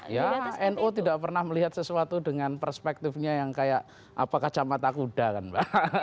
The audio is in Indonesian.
ya nu tidak pernah melihat sesuatu dengan perspektifnya yang kayak apa kacamata kuda kan mbak